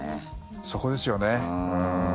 そこですよね。